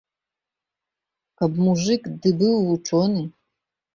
Каб мужык ды быў вучоны.